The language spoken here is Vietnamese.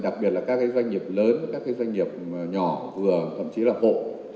đặc biệt là các cái doanh nghiệp lớn các cái doanh nghiệp nhỏ vừa thậm chí là hộ